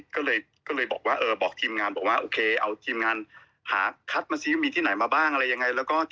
ก็เลยบอกทีมงานว่าโอเคเอาทีมงานถามที่มีมีที่ไหนมาบ้าง